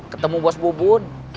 ketemu bos bubun